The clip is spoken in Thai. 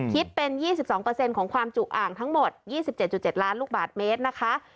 คิดเป็น๒๒ของความจุอ่างทั้งหมด๒๗๗ล้านลูกบาทเมตรนะคะ